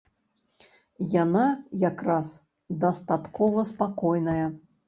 Яна якраз дастаткова спакойная.